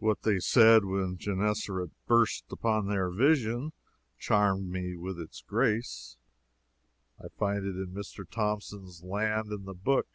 What they said when Genessaret burst upon their vision, charmed me with its grace. I find it in Mr. Thompson's "Land and the Book."